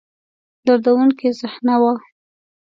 دردوونکې صحنه وه.